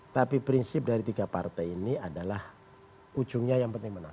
tapi prinsip dari tiga partai ini adalah ujungnya yang penting menang